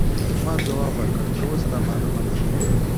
ما ځواب ورکړ: تراوسه لا معلومه نه ده.